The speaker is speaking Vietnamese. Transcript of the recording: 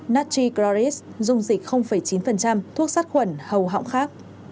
natri chloris dung dịch chín thuốc sát khuẩn hầu hỏng khác